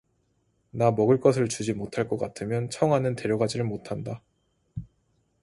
나 먹을 것을 주지 못할 것 같으면 청아는 데려가지를 못한다.